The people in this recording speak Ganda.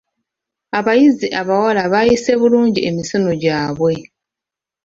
Abayizi abawala baayise bulungi emisomo gyabwe.